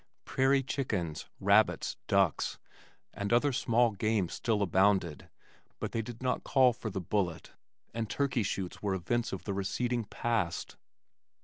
Prairie chickens, rabbits, ducks, and other small game still abounded but they did not call for the bullet, and turkey shoots were events of the receding past.